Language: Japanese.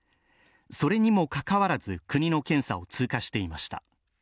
それにもかかわらず、国の検査を通過していました。